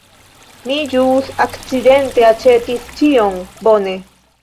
Mi ĵus akcidente aĉetis ĉion! Bone.